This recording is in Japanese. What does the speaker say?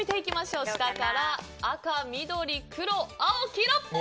下から、赤、緑、黒、青、黄色。